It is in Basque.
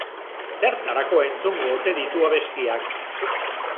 Zertarako entzungo ote ditu abestiak?